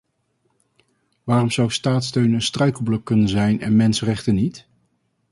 Waarom zou staatssteun een struikelblok kunnen zijn en mensenrechten niet?